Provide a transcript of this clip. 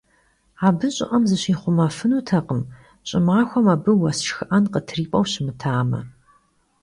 Abı ş'ı'em zışixhumefınutekhım, ş'ımaxuem abı vues şşxı'en khıtrip'eu şımıtame.